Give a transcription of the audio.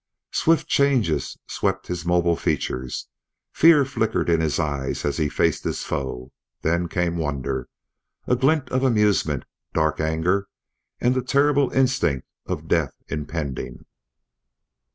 Swift changes swept his mobile features. Fear flickered in his eyes as he faced his foe; then came wonder, a glint of amusement, dark anger, and the terrible instinct of death impending.